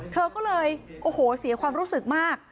เธอก็เลยโอ้โหเสียความรู้สึกมาก